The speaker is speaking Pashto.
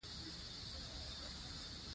سیلاني ځایونه د طبیعي زیرمو یوه مهمه برخه ده.